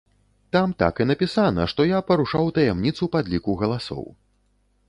Там так і напісана, што я парушаў таямніцу падліку галасоў.